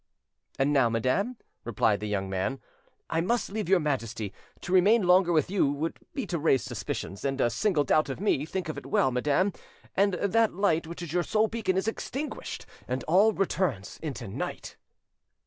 "And now, madam," replied the young man, "I must leave your Majesty; to remain longer with you would be to raise suspicions, and a single doubt of me, think of it well, madam, and that light which is your sole beacon is extinguished, and all returns into night."